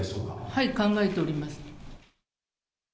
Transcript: はい、考えております。